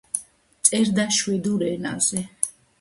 წერდა შვედურ ენაზე.